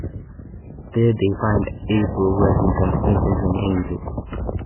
There they find April, who has been transformed into an angel.